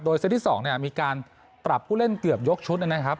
เซตที่๒เนี่ยมีการปรับผู้เล่นเกือบยกชุดนะครับ